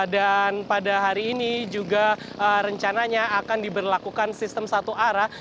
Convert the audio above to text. dan pada hari ini juga rencananya akan diberlakukan sistem satu arah